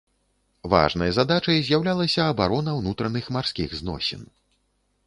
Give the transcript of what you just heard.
Важнай задачай з'яўлялася абарона ўнутраных марскіх зносін.